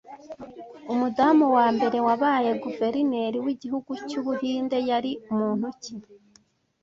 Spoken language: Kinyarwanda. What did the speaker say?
Umudamu wa mbere wabaye Guverineri wigihugu cyu Buhinde yari muntu ki